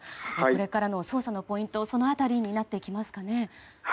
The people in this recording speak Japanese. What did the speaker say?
これからの捜査のポイントはその辺りになりますかね。